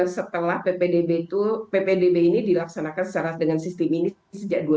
setelah ppdb ini dilaksanakan secara dengan sistem ini sejak dua ribu dua